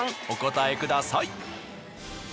お答えください。